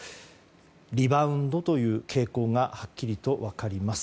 リバウンドという傾向がはっきりと分かります。